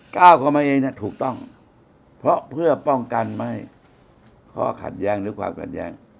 ก้าวเข้ามาเองถูกต้องเพื่อพวงกันให้ข้อขัดแย้งหรือความกันแย้ง